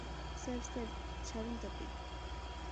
Sir, sir, ছাড়ুন তাকে।